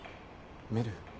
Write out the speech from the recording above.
メル。